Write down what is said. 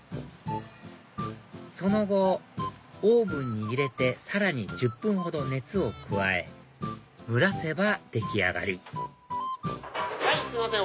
その後オーブンに入れてさらに１０分ほど熱を加え蒸らせば出来上がりすいません